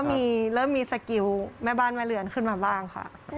เริ่มมีสกิลแม่บ้านแม่เรือนขึ้นมาบ้างค่ะ